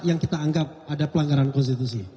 yang kita anggap ada pelanggaran konstitusi